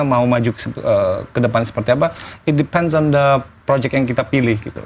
mau maju ke depan seperti apa it depense on the project yang kita pilih gitu